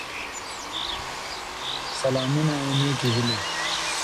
Statenville is a disincorporated municipality.